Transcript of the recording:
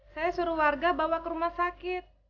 saya suruh warga bawa ke rumah sakit